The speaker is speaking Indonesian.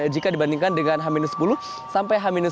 jika dibandingkan dengan h sepuluh sampai h satu